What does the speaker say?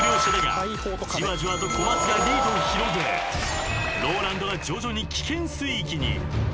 ［じわじわと小松がリードを広げＲＯＬＡＮＤが徐々に危険水域に］